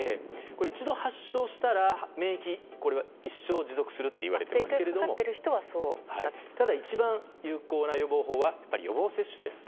一度発症したら、免疫が一生持続するといわれていますけどもただ、一番有効な予防法は予防接種です。